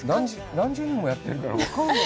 何十年もやってるから、分からない。